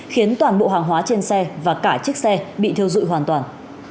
khiến toàn bộ hàng hóa trên xe và cả chiếc xe bị thiêu dụi hoàn toàn